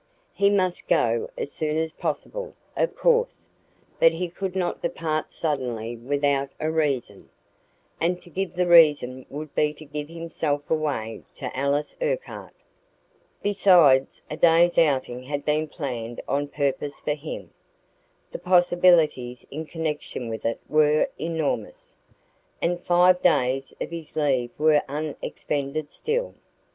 He must go as soon as possible, of course; but he could not depart suddenly without a reason, and to give the reason would be to give himself away to Alice Urquhart. Besides, a day's outing had been planned on purpose for him; the possibilities in connection with it were enormous; and five days of his leave were unexpended still.